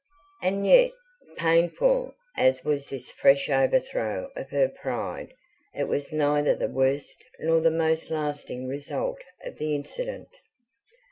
And yet, painful as was this fresh overthrow of her pride, it was neither the worst nor the most lasting result of the incident.